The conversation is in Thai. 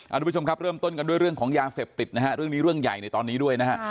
ทุกผู้ชมครับเริ่มต้นกันด้วยเรื่องของยาเสพติดนะฮะเรื่องนี้เรื่องใหญ่ในตอนนี้ด้วยนะฮะ